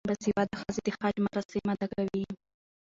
باسواده ښځې د حج مراسم ادا کوي.